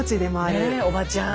ねえおばちゃん。